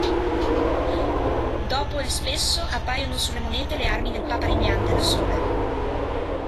Dopo il spesso appaiono sulle monete le ami del papa regnante da sole.